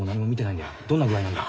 どんな具合なんだ。